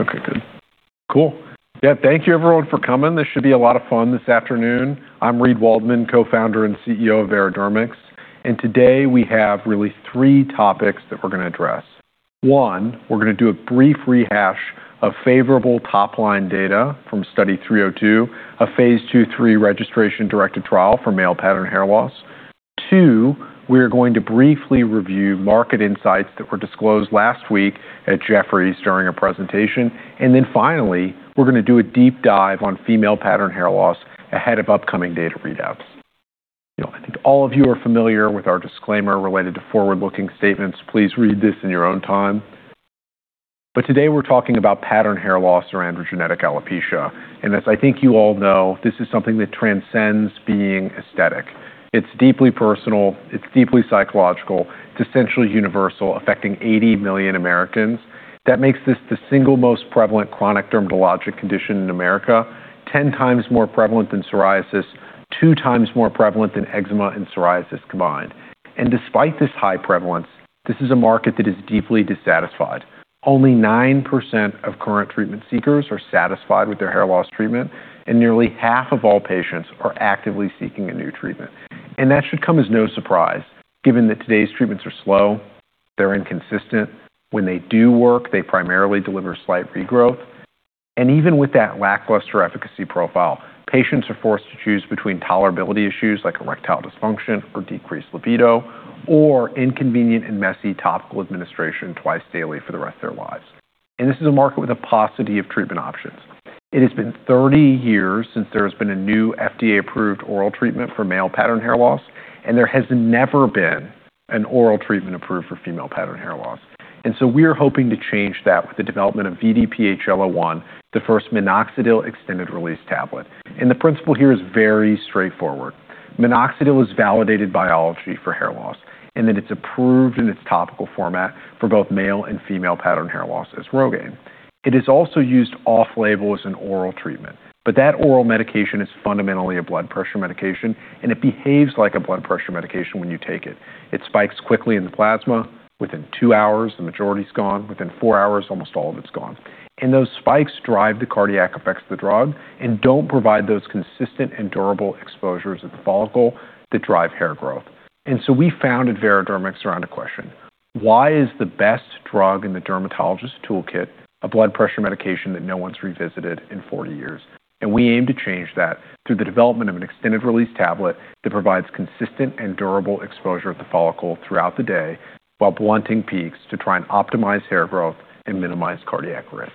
Okay, good. Cool. Thank you everyone for coming. I'm Reid Waldman, Co-founder and Chief Executive Officer of Veradermics. Today we have really three topics that we're going to address. One, we're going to do a brief rehash of favorable top-line data from Study 302, a phase II/III registration directed trial for male pattern hair loss. Two, we are going to briefly review market insights that were disclosed last week at Jefferies during a presentation. Finally, we're going to do a deep dive on female pattern hair loss ahead of upcoming data readouts. I think all of you are familiar with our disclaimer related to forward-looking statements. Please read this in your own time. Today we're talking about pattern hair loss or androgenetic alopecia, and as I think you all know, this is something that transcends being aesthetic. It's deeply personal, it's deeply psychological. It's essentially universal, affecting 80 million Americans. That makes this the single most prevalent chronic dermatologic condition in America, 10 times more prevalent than psoriasis, two times more prevalent than eczema and psoriasis combined. Despite this high prevalence, this is a market that is deeply dissatisfied. Only 9% of current treatment seekers are satisfied with their hair loss treatment, and nearly half of all patients are actively seeking a new treatment. That should come as no surprise given that today's treatments are slow, they're inconsistent. When they do work, they primarily deliver slight regrowth. Even with that lackluster efficacy profile, patients are forced to choose between tolerability issues like erectile dysfunction or decreased libido, or inconvenient and messy topical administration twice daily for the rest of their lives. This is a market with a paucity of treatment options. It has been 30 years since there has been a new FDA-approved oral treatment for male pattern hair loss, and there has never been an oral treatment approved for female pattern hair loss. We are hoping to change that with the development of VDPHL01, the first minoxidil extended release tablet. The principle here is very straightforward. Minoxidil is validated biology for hair loss, and that it's approved in its topical format for both male and female pattern hair loss as ROGAINE. It is also used off-label as an oral treatment. That oral medication is fundamentally a blood pressure medication, and it behaves like a blood pressure medication when you take it. It spikes quickly in the plasma. Within two hours, the majority's gone. Within four hours, almost all of it's gone. Those spikes drive the cardiac effects of the drug and don't provide those consistent and durable exposures at the follicle that drive hair growth. We founded Veradermics around a question, why is the best drug in the dermatologist's toolkit a blood pressure medication that no one's revisited in 40 years? We aim to change that through the development of an extended release tablet that provides consistent and durable exposure of the follicle throughout the day while blunting peaks to try and optimize hair growth and minimize cardiac risk.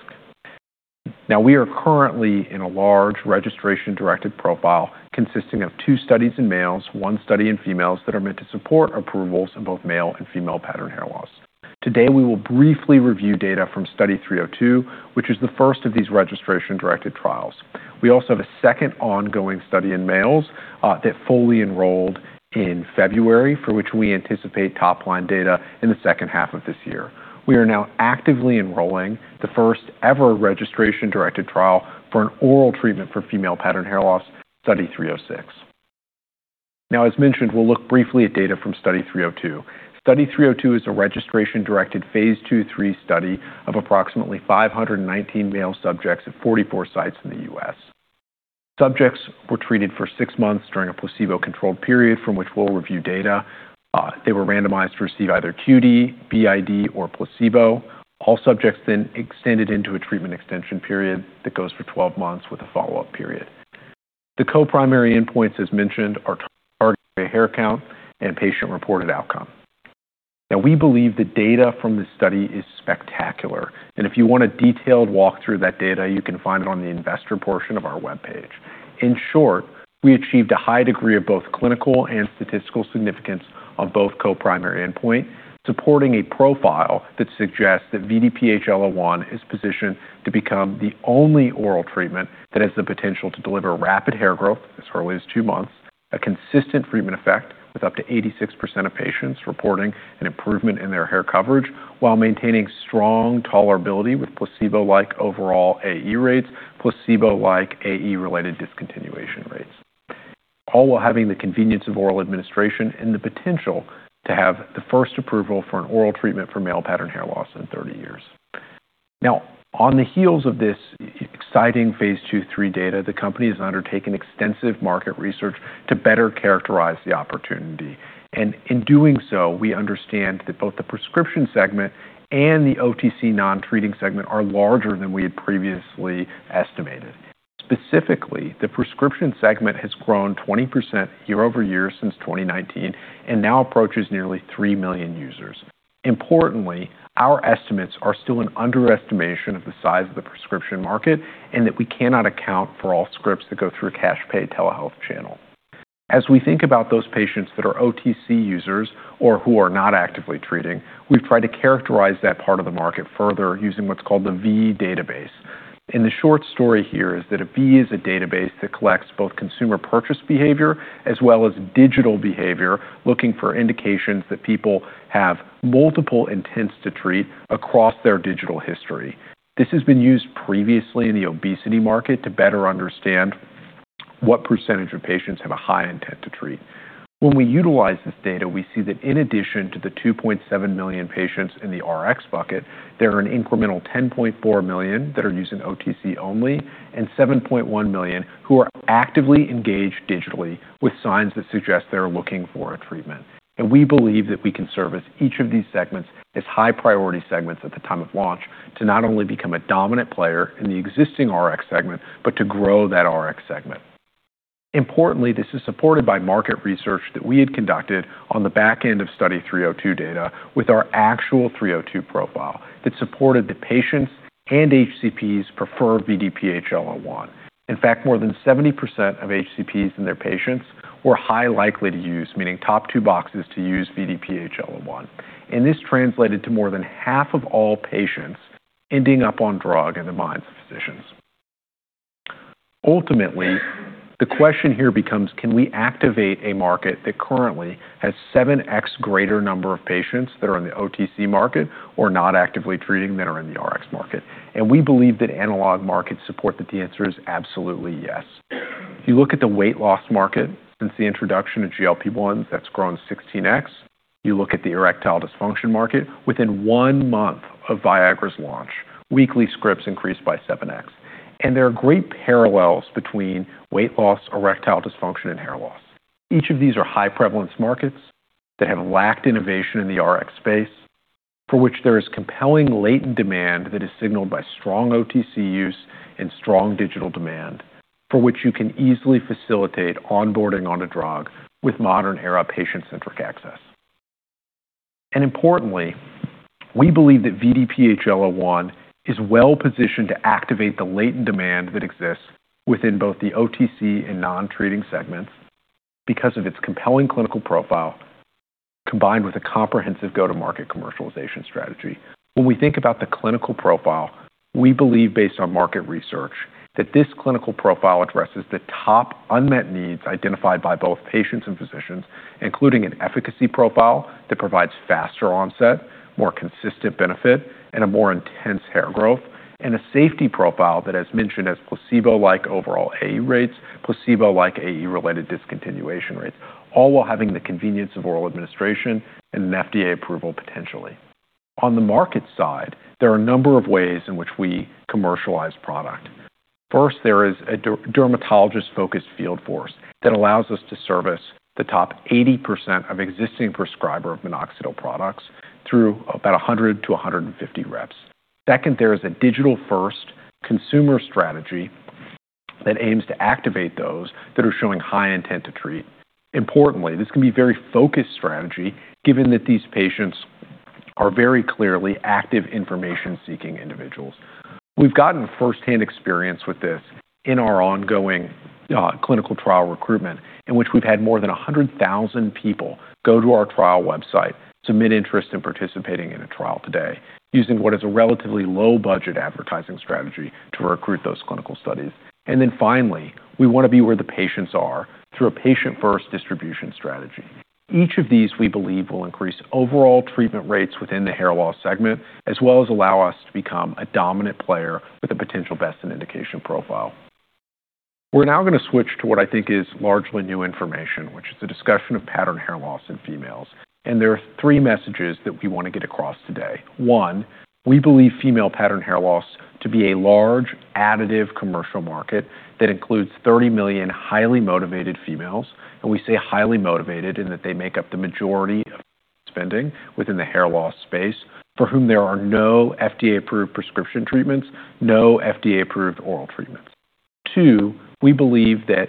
Now, we are currently in a large registration directed profile consisting of two studies in males, one study in females, that are meant to support approvals in both male and female pattern hair loss. Today, we will briefly review data from Study 302, which is the first of these registration directed trials. We also have a second ongoing study in males that fully enrolled in February, for which we anticipate top-line data in the second half of this year. We are now actively enrolling the first ever registration directed trial for an oral treatment for female pattern hair loss, Study 306. As mentioned, we'll look briefly at data from Study 302. Study 302 is a registration directed phase II/III study of approximately 519 male subjects at 44 sites in the U.S. Subjects were treated for six months during a placebo-controlled period from which we'll review data. They were randomized to receive either QD, BID, or placebo. All subjects then extended into a treatment extension period that goes for 12 months with a follow-up period. The co-primary endpoints, as mentioned, are target hair count and patient reported outcome. We believe the data from this study is spectacular, and if you want a detailed walkthrough of that data, you can find it on the investor portion of our webpage. In short, we achieved a high degree of both clinical and statistical significance on both co-primary endpoint, supporting a profile that suggests that VDPHL01 is positioned to become the only oral treatment that has the potential to deliver rapid hair growth as early as two months, a consistent treatment effect with up to 86% of patients reporting an improvement in their hair coverage while maintaining strong tolerability with placebo-like overall AE rates, placebo-like AE related discontinuation rates. All while having the convenience of oral administration and the potential to have the first approval for an oral treatment for male pattern hair loss in 30 years. On the heels of this exciting phase II/III data, the company has undertaken extensive market research to better characterize the opportunity. In doing so, we understand that both the prescription segment and the OTC non-treating segment are larger than we had previously estimated. Specifically, the prescription segment has grown 20% year-over-year since 2019 and now approaches nearly 3 million users. Importantly, our estimates are still an underestimation of the size of the prescription market and that we cannot account for all scripts that go through a cash pay telehealth channel. As we think about those patients that are OTC users or who are not actively treating, we've tried to characterize that part of the market further using what's called the ViiV database. The short story here is that a ViiV is a database that collects both consumer purchase behavior as well as digital behavior, looking for indications that people have multiple intents to treat across their digital history. This has been used previously in the obesity market to better understand what percentage of patients have a high intent to treat. When we utilize this data, we see that in addition to the 2.7 million patients in the Rx bucket, there are an incremental 10.4 million that are using OTC only and 7.1 million who are actively engaged digitally with signs that suggest they're looking for a treatment. We believe that we can service each of these segments as high priority segments at the time of launch to not only become a dominant player in the existing Rx segment, but to grow that Rx segment. Importantly, this is supported by market research that we had conducted on the back end of Study 302 data with our actual 302 profile that supported that patients and HCPs prefer VDPHL01. In fact, more than 70% of HCPs and their patients were high likely to use, meaning top two boxes to use VDPHL01. This translated to more than half of all patients ending up on drug in the minds of physicians. Ultimately, the question here becomes, can we activate a market that currently has 7x greater number of patients that are in the OTC market or not actively treating that are in the Rx market? We believe that analog markets support that the answer is absolutely yes. If you look at the weight loss market since the introduction of GLP-1, that's grown 16x. You look at the erectile dysfunction market, within one month of Viagra's launch, weekly scripts increased by 7x. There are great parallels between weight loss, erectile dysfunction, and hair loss. Each of these are high prevalence markets that have lacked innovation in the Rx space, for which there is compelling latent demand that is signaled by strong OTC use and strong digital demand, for which you can easily facilitate onboarding on a drug with modern era patient-centric access. Importantly, we believe that VDPHL01 is well positioned to activate the latent demand that exists within both the OTC and non-treating segments because of its compelling clinical profile, combined with a comprehensive go-to-market commercialization strategy. When we think about the clinical profile, we believe based on market research, that this clinical profile addresses the top unmet needs identified by both patients and physicians, including an efficacy profile that provides faster onset, more consistent benefit, and a more intense hair growth, and a safety profile that, as mentioned, has placebo-like overall AE rates, placebo-like AE-related discontinuation rates, all while having the convenience of oral administration and an FDA approval potentially. On the market side, there are a number of ways in which we commercialize product. First, there is a dermatologist-focused field force that allows us to service the top 80% of existing prescriber of minoxidil products through about 100-150 reps. Second, there is a digital-first consumer strategy that aims to activate those that are showing high intent to treat. Importantly, this can be a very focused strategy given that these patients are very clearly active information-seeking individuals. We've gotten firsthand experience with this in our ongoing clinical trial recruitment in which we've had more than 100,000 people go to our trial website, submit interest in participating in a trial today using what is a relatively low budget advertising strategy to recruit those clinical studies. Then finally, we want to be where the patients are through a patient-first distribution strategy. Each of these, we believe, will increase overall treatment rates within the hair loss segment, as well as allow us to become a dominant player with a potential best in indication profile. We're now going to switch to what I think is largely new information, which is the discussion of pattern hair loss in females. There are three messages that we want to get across today. One. We believe female pattern hair loss to be a large additive commercial market that includes 30 million highly motivated females. We say highly motivated in that they make up the majority of spending within the hair loss space, for whom there are no FDA-approved prescription treatments, no FDA-approved oral treatments. Two. We believe that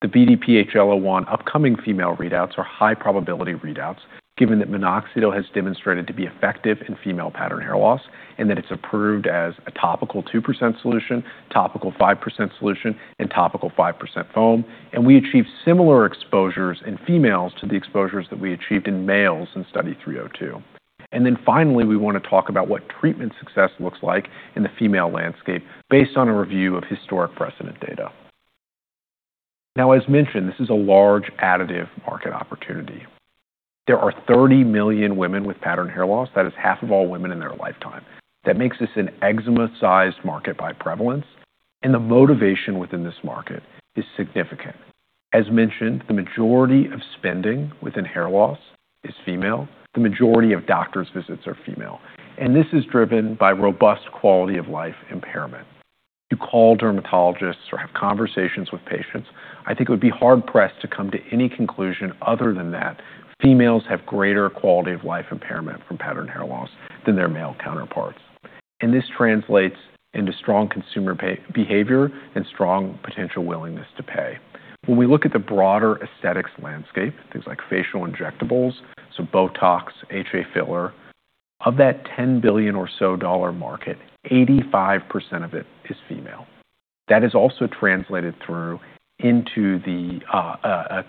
the VDPHL01 upcoming female readouts are high probability readouts, given that minoxidil has demonstrated to be effective in female pattern hair loss and that it's approved as a topical 2% solution, topical 5% solution, and topical 5% foam. We achieved similar exposures in females to the exposures that we achieved in males in Study 302. Finally, we want to talk about what treatment success looks like in the female landscape based on a review of historic precedent data. As mentioned, this is a large additive market opportunity. There are 30 million women with pattern hair loss, that is half of all women in their lifetime. That makes this an eczema-sized market by prevalence, and the motivation within this market is significant. As mentioned, the majority of spending within hair loss is female. The majority of doctors visits are female. This is driven by robust quality of life impairment. You call dermatologists or have conversations with patients, I think it would be hard-pressed to come to any conclusion other than that females have greater quality of life impairment from pattern hair loss than their male counterparts. This translates into strong consumer behavior and strong potential willingness to pay. When we look at the broader aesthetics landscape, things like facial injectables, so Botox, HA filler, of that $10 billion or so dollar market, 85% of it is female. That is also translated through into the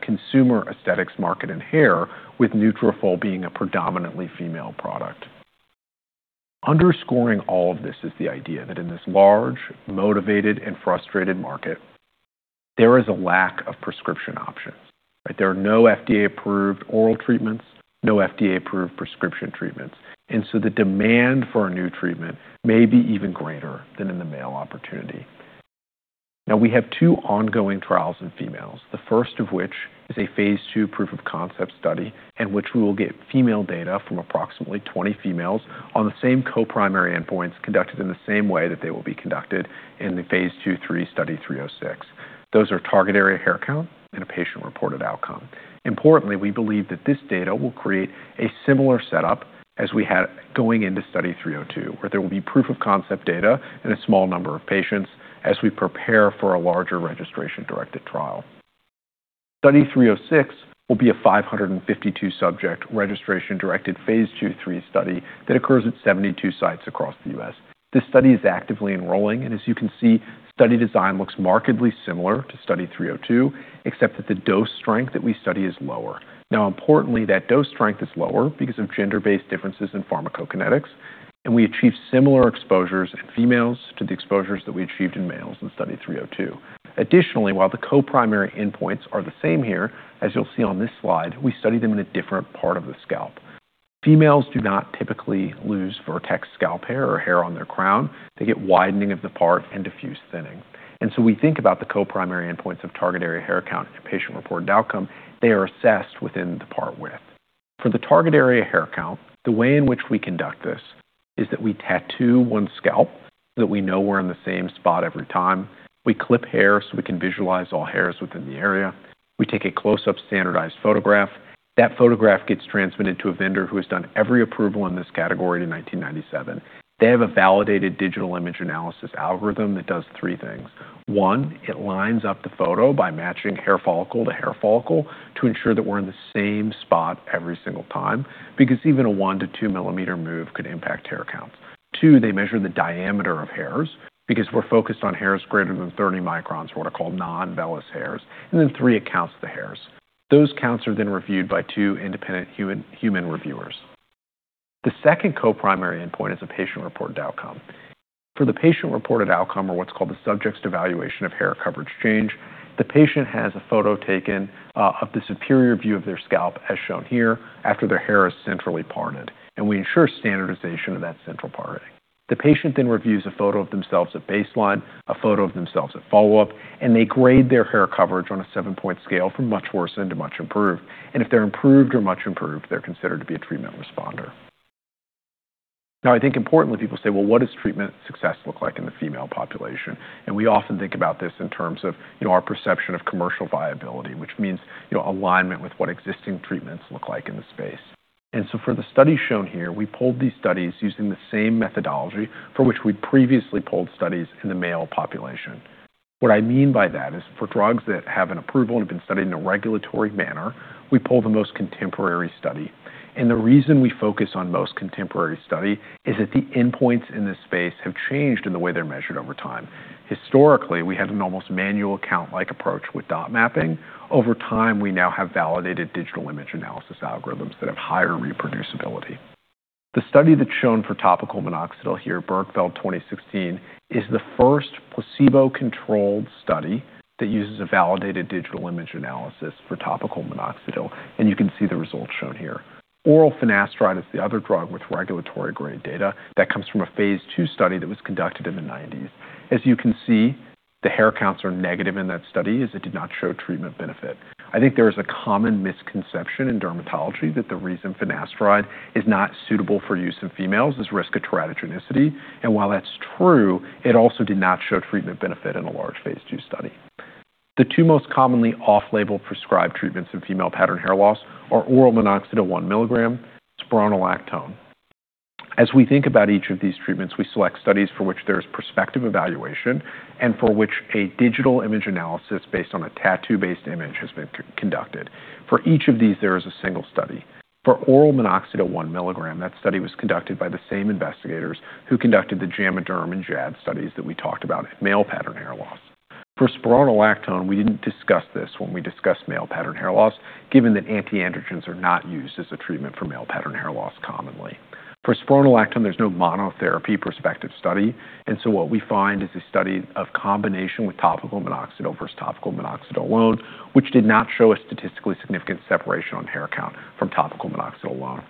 consumer aesthetics market in hair, with Nutrafol being a predominantly female product. Underscoring all of this is the idea that in this large, motivated, and frustrated market, there is a lack of prescription options. There are no FDA-approved oral treatments, no FDA-approved prescription treatments. The demand for a new treatment may be even greater than in the male opportunity. We have two ongoing trials in females, the first of which is a phase II proof of concept study, in which we will get female data from approximately 20 females on the same co-primary endpoints conducted in the same way that they will be conducted in the phase II/III Study 306. Those are target area hair count and a patient-reported outcome. Importantly, we believe that this data will create a similar setup as we had going into Study 302, where there will be proof of concept data in a small number of patients as we prepare for a larger registration directed trial. Study 306 will be a 552 subject registration directed phase II/III study that occurs at 72 sites across the U.S. This study is actively enrolling, and as you can see, study design looks markedly similar to Study 302, except that the dose strength that we study is lower. Importantly, that dose strength is lower because of gender-based differences in pharmacokinetics, and we achieve similar exposures in females to the exposures that we achieved in males in Study 302. Additionally, while the co-primary endpoints are the same here, as you'll see on this slide, we study them in a different part of the scalp. Females do not typically lose vertex scalp hair or hair on their crown. They get widening of the part and diffuse thinning. We think about the co-primary endpoints of target area hair count and patient-reported outcome, they are assessed within the part width. For the target area hair count, the way in which we conduct this is that we tattoo one scalp so that we know we're in the same spot every time. We clip hair so we can visualize all hairs within the area. We take a close-up standardized photograph. That photograph gets transmitted to a vendor who has done every approval in this category to 1997. They have a validated digital image analysis algorithm that does three things. One, it lines up the photo by matching hair follicle to hair follicle to ensure that we're in the same spot every single time, because even a one to two millimeter move could impact hair counts. Two, they measure the diameter of hairs because we're focused on hairs greater than 30 microns, what are called non-vellus hairs. Three, it counts the hairs. Those counts are then reviewed by two independent human reviewers. The second co-primary endpoint is a patient-reported outcome. For the patient-reported outcome, or what's called the subject's evaluation of hair coverage change, the patient has a photo taken of the superior view of their scalp, as shown here, after their hair is centrally parted, and we ensure standardization of that central parting. The patient then reviews a photo of themselves at baseline, a photo of themselves at follow-up, and they grade their hair coverage on a seven-point scale from much worse than to much improved. If they're improved or much improved, they're considered to be a treatment responder. I think importantly, people say, "Well, what does treatment success look like in the female population?" We often think about this in terms of our perception of commercial viability, which means alignment with what existing treatments look like in the space. For the studies shown here, we polled these studies using the same methodology for which we'd previously polled studies in the male population. What I mean by that is for drugs that have an approval and have been studied in a regulatory manner, we poll the most contemporary study. The reason we focus on most contemporary study is that the endpoints in this space have changed in the way they're measured over time. Historically, we had an almost manual count-like approach with dot mapping. Over time, we now have validated digital image analysis algorithms that have higher reproducibility. The study that's shown for topical minoxidil here, Blume-Peytavi 2016, is the first placebo-controlled study that uses a validated digital image analysis for topical minoxidil, and you can see the results shown here. Oral finasteride is the other drug with regulatory grade data that comes from a phase II study that was conducted in the 1990s. As you can see, the hair counts are negative in that study as it did not show treatment benefit. I think there is a common misconception in dermatology that the reason finasteride is not suitable for use in females is risk of teratogenicity. While that's true, it also did not show treatment benefit in a large phase II study. The two most commonly off-label prescribed treatments in female pattern hair loss are oral minoxidil 1 mg, spironolactone. As we think about each of these treatments, we select studies for which there is prospective evaluation and for which a digital image analysis based on a tattoo-based image has been conducted. For each of these, there is a single study. For oral minoxidil 1 mg, that study was conducted by the same investigators who conducted the JAMA Dermatology and JAAD studies that we talked about in male pattern hair loss. For spironolactone, we didn't discuss this when we discussed male pattern hair loss, given that anti-androgens are not used as a treatment for male pattern hair loss commonly. For spironolactone, there's no monotherapy prospective study, what we find is a study of combination with topical minoxidil versus topical minoxidil alone, which did not show a statistically significant separation on hair count from topical minoxidil alone.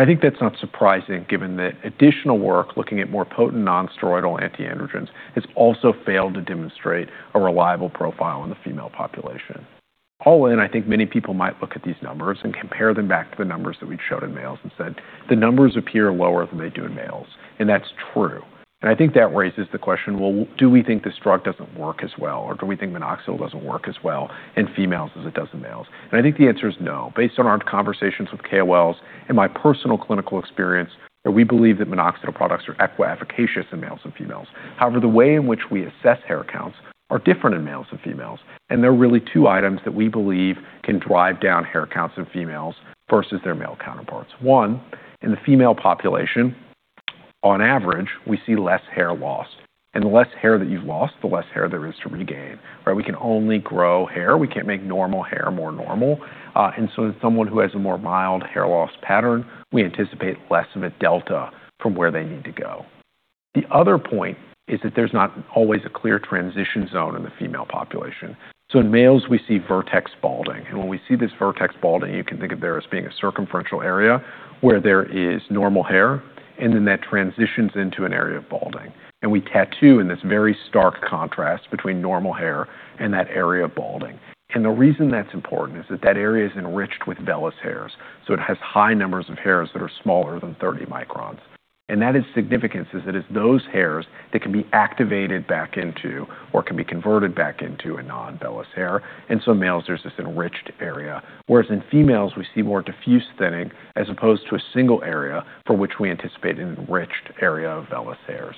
I think that's not surprising given that additional work looking at more potent non-steroidal anti-androgens has also failed to demonstrate a reliable profile in the female population. All in, I think many people might look at these numbers and compare them back to the numbers that we'd showed in males and said, "The numbers appear lower than they do in males." That's true. I think that raises the question, well, do we think this drug doesn't work as well, or do we think minoxidil doesn't work as well in females as it does in males? I think the answer is no. Based on our conversations with KOLs and my personal clinical experience, we believe that minoxidil products are equiafficacious in males and females. However, the way in which we assess hair counts are different in males and females, there are really two items that we believe can drive down hair counts in females versus their male counterparts. One, in the female population on average, we see less hair loss. The less hair that you've lost, the less hair there is to regain. We can only grow hair. We can't make normal hair more normal. In someone who has a more mild hair loss pattern, we anticipate less of a delta from where they need to go. The other point is that there's not always a clear transition zone in the female population. In males, we see vertex balding, when we see this vertex balding, you can think of there as being a circumferential area where there is normal hair, then that transitions into an area of balding. We tattoo in this very stark contrast between normal hair and that area of balding. The reason that's important is that that area is enriched with vellus hairs, so it has high numbers of hairs that are smaller than 30 microns. That is significant, since it is those hairs that can be activated back into or can be converted back into a non-vellus hair. In males, there's this enriched area. Whereas in females, we see more diffuse thinning as opposed to a single area for which we anticipate an enriched area of vellus hairs.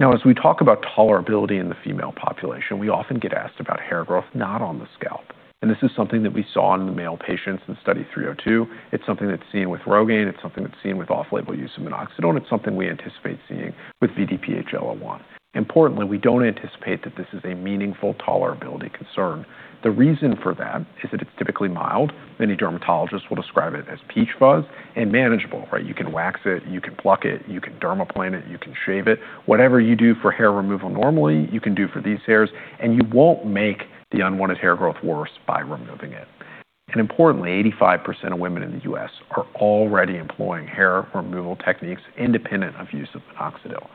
As we talk about tolerability in the female population, we often get asked about hair growth, not on the scalp. This is something that we saw in the male patients in Study 302. It's something that's seen with Rogaine. It's something that's seen with off-label use of minoxidil, and it's something we anticipate seeing with VDPHL01. Importantly, we don't anticipate that this is a meaningful tolerability concern. The reason for that is that it's typically mild. Many dermatologists will describe it as peach fuzz and manageable. You can wax it. You can pluck it. You can dermaplane it. You can shave it. Whatever you do for hair removal normally, you can do for these hairs, and you won't make the unwanted hair growth worse by removing it. Importantly, 85% of women in the U.S. are already employing hair removal techniques independent of use of minoxidil.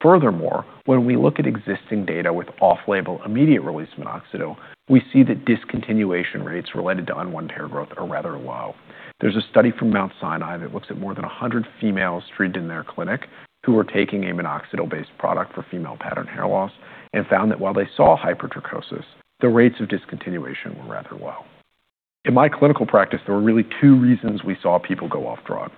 Furthermore, when we look at existing data with off-label immediate release minoxidil, we see that discontinuation rates related to unwanted hair growth are rather low. There's a study from Mount Sinai that looks at more than 100 females treated in their clinic who were taking a minoxidil-based product for female pattern hair loss and found that while they saw hypertrichosis, the rates of discontinuation were rather low. In my clinical practice, there were really two reasons we saw people go off drug.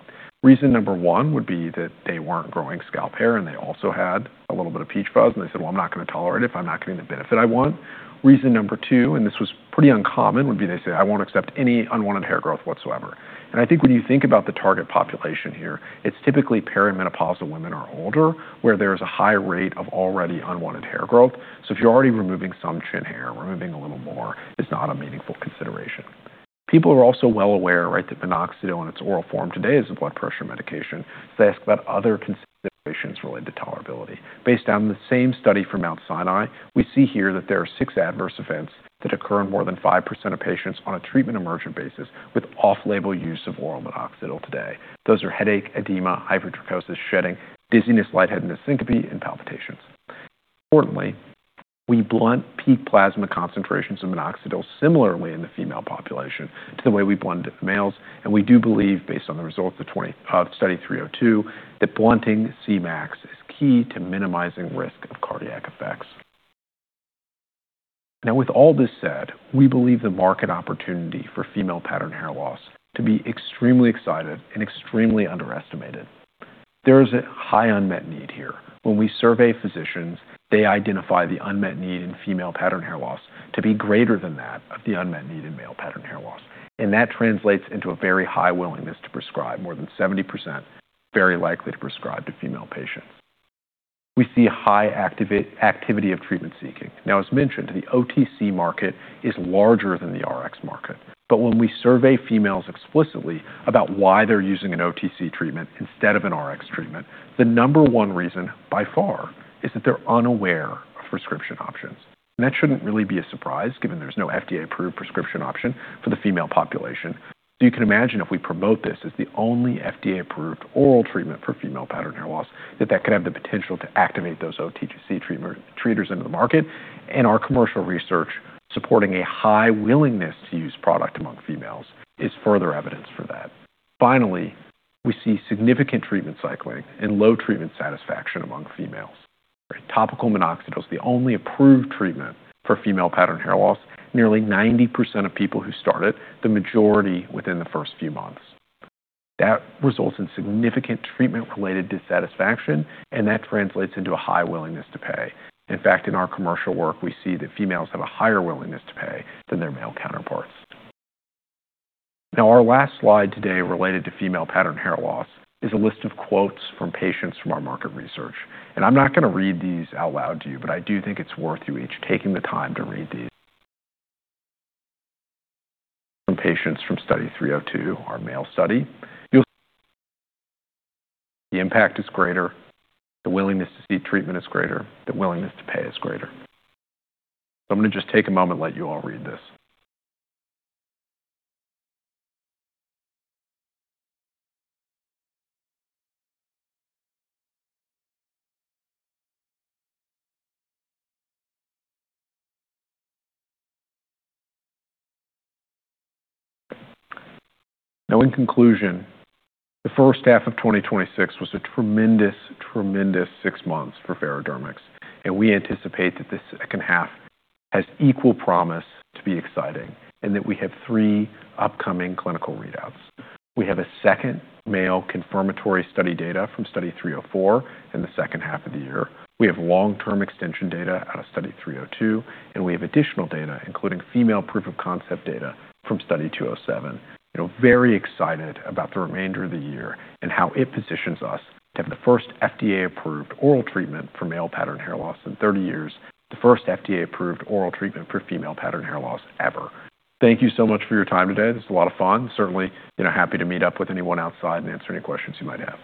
Reason number one would be that they weren't growing scalp hair, and they also had a little bit of peach fuzz, and they said, "Well, I'm not going to tolerate it if I'm not getting the benefit I want." Reason number two, and this was pretty uncommon, would be they say, "I won't accept any unwanted hair growth whatsoever." I think when you think about the target population here, it's typically perimenopausal women or older, where there is a high rate of already unwanted hair growth. If you're already removing some chin hair, removing a little more is not a meaningful consideration. People are also well aware that minoxidil in its oral form today is a blood pressure medication. They ask about other considerations related to tolerability. Based on the same study from Mount Sinai, we see here that there are six adverse events that occur in more than 5% of patients on a treatment emergent basis with off-label use of oral minoxidil today. Those are headache, edema, hypertrichosis, shedding, dizziness, lightheadedness, syncope, and palpitations. Importantly, we blunt peak plasma concentrations of minoxidil similarly in the female population to the way we blunt it in the males, and we do believe, based on the results of Study 302, that blunting Cmax is key to minimizing risk of cardiac effects. With all this said, we believe the market opportunity for female pattern hair loss to be extremely excited and extremely underestimated. There is a high unmet need here. When we survey physicians, they identify the unmet need in female pattern hair loss to be greater than that of the unmet need in male pattern hair loss, and that translates into a very high willingness to prescribe, more than 70%, very likely to prescribe to female patients. We see a high activity of treatment seeking. As mentioned, the OTC market is larger than the Rx market. When we survey females explicitly about why they're using an OTC treatment instead of an Rx treatment, the number one reason, by far, is that they're unaware of prescription options. That shouldn't really be a surprise, given there's no FDA-approved prescription option for the female population. You can imagine if we promote this as the only FDA-approved oral treatment for female pattern hair loss, that that could have the potential to activate those OTC treaters into the market, and our commercial research supporting a high willingness to use product among females is further evidence for that. Finally, we see significant treatment cycling and low treatment satisfaction among females. Topical minoxidil is the only approved treatment for female pattern hair loss. Nearly 90% of people who start it, the majority within the first few months. That results in significant treatment-related dissatisfaction, and that translates into a high willingness to pay. In fact, in our commercial work, we see that females have a higher willingness to pay than their male counterparts. Our last slide today related to female pattern hair loss is a list of quotes from patients from our market research. I'm not going to read these out loud to you, but I do think it's worth you each taking the time to read these. From patients from Study 302, our male study. You'll see the impact is greater, the willingness to seek treatment is greater, the willingness to pay is greater. I'm going to just take a moment and let you all read this. In conclusion, the first half of 2026 was a tremendous six months for Veradermics, and we anticipate that this second half has equal promise to be exciting and that we have three upcoming clinical readouts. We have a second male confirmatory study data from Study 304 in the second half of the year. We have long-term extension data out of Study 302, and we have additional data, including female proof of concept data from Study 207. Very excited about the remainder of the year and how it positions us to have the first FDA-approved oral treatment for male pattern hair loss in 30 years, the first FDA-approved oral treatment for female pattern hair loss ever. Thank you so much for your time today. This was a lot of fun. Certainly, happy to meet up with anyone outside and answer any questions you might have.